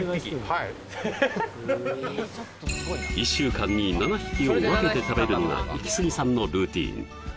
はい１週間に７匹を分けて食べるのがイキスギさんのルーティン